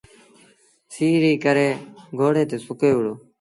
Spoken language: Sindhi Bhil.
سيٚ ري ڪري گھوڙي تي سُڪي وهُڙو ۔